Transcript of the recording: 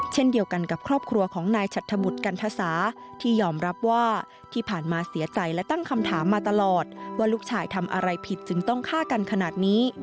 เช่นเดียวกันกับครอบครัวของนายฉัดธบุตรกันทสาที่ยอมรับว่าที่ผ่านมาเสียใจและตั้งคำถามมาตลอดว่าลูกชายทำอะไรผิดจึงต้องฆ่ากันขนาดนี้